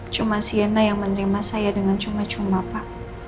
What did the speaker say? cuma sienna yang menerima saya dengan cuma cuma pak